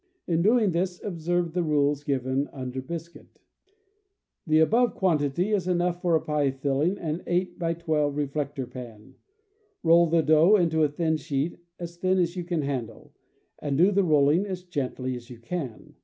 In doing this, observe the rules given under Biscuit. The above quantity is enough for a pie filling an 8x12 reflector pan. Roll the dough into a thin sheet, as thin as you can handle, and do the rolling as gently as you can.